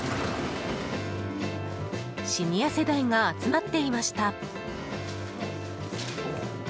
シニア世代が集まっていました。